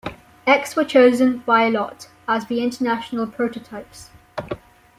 X were chosen by lot as the international prototypes.